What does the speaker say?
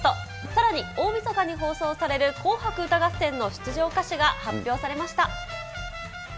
さらに大みそかに放送される紅白歌合戦の出場歌手が発表されました。